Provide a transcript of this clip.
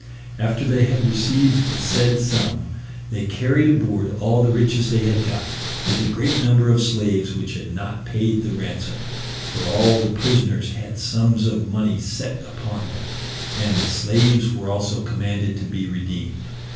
After they had received the said sum, they carried aboard all the riches they had got, with a great number of slaves which had not paid the ransom; for all the prisoners had sums of money set upon them, and the slaves were also commanded to be redeemed.